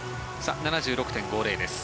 ７６．５０です。